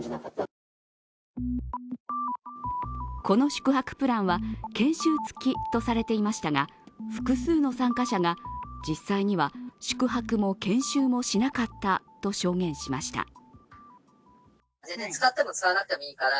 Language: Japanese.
この宿泊プランは、研修付きとされていましたが、複数の参加者が、実際には宿泊も研修もしなかったと証言しました。